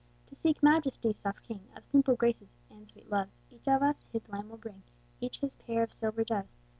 To seek Majesty, soft king Of simple graces, and sweet loves, Each of us his lamb will bring, Each his pair of silver doves.